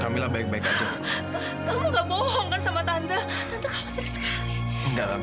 kamila kangen banget sama makan